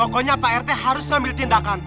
pokoknya pak rt harus mengambil tindakan